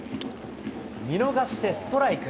見逃してストライク。